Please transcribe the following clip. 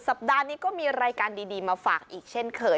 สัปดาห์นี้ก็มีรายการดีมาฝากอีกเช่นเคย